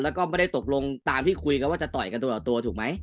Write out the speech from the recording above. แล้วก็ไม่ได้ตกลงตามที่คุยกันว่าจะต่อยกันตัวต่อตัวถูกไหม